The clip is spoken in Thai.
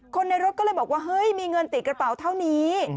คนในรถก็เลยบอกว่าเฮ้ยมีเงินติดกระเป๋าเท่านี้